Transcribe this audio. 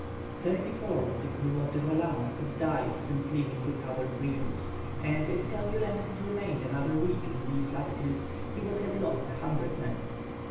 Thirty four of the crew of the Roland had died since leaving the southern regions, and if Kerguelen had remained another week in these latitudes, he would have lost a hundred men!